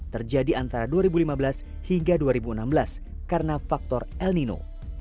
terjadi antara dua ribu lima belas hingga dua ribu enam belas karena faktor el nino